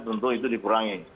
tentu itu dikurangi